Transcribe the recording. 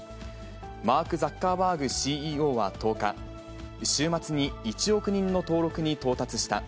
マーク・ザッカーバーグＣＥＯは１０日、週末に１億人の登録に到達した。